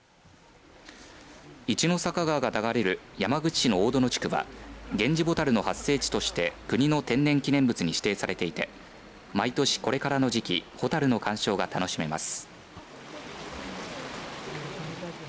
一の坂川が流れる山口市の大殿地区はゲンジボタルの発生地として国の天然記念物に指定されていて毎年これからの時期蛍の鑑賞が楽しめます。